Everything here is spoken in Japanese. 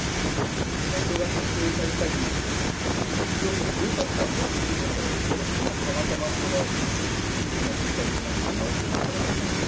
目標が達成されたり、非常によかった、よい出来事がたまたま、このうつのきっかけになってしまうということがありまして。